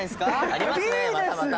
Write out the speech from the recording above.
ありますねまたまた。